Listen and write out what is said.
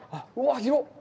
広っ！